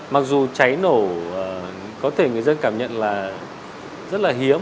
mặc dù cháy nổ có thể người dân cảm nhận là rất là hiếm